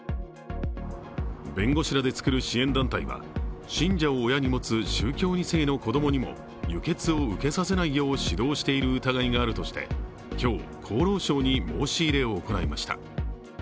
弁護士らで作る支援団体は信者を親に持つ宗教２世の子供にも輸血を受けさせないよう指導している疑いがあるとして今日、厚労省に申し入れを行いました。